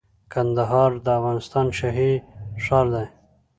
کندهار د افغانستان شاهي ښار دي